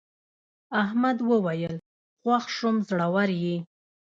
احمد وویل خوښ شوم زړور یې.